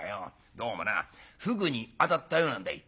どうもなふぐにあたったようなんだい」。